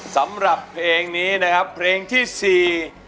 สำหรับเพลงนี้นะครับเพลงที่สี่